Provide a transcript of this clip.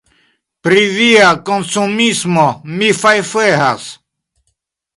Pri via konsumismo mi fajfegas!